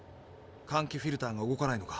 換気フィルターが動かないのか？